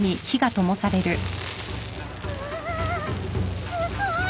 わあすごい！